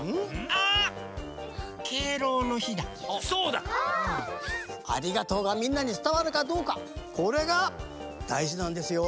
ありがとうがみんなにつたわるかどうかこれがだいじなんですよ。